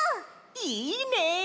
いいね！